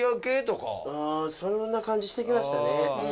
そんな感じして来ましたね。